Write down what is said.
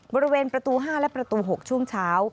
บริเวณประตู๕และประตู๖ช่วงเช้า